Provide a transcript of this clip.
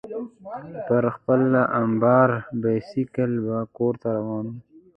پر خپل امبر بایسکل به کورته روان وو.